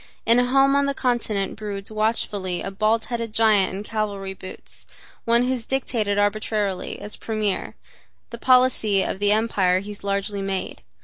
In a home on the continent broods watchfully a bald headed giant in cavalry boots, one who has dictated arbitrarily, as premier, the policy of the empire he has largely made.